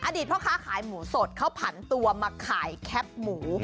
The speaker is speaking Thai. พ่อค้าขายหมูสดเขาผันตัวมาขายแคปหมู